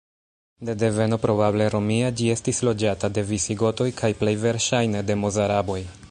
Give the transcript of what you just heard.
De deveno probable romia, ĝi estis loĝata de visigotoj kaj plej verŝajne de mozaraboj.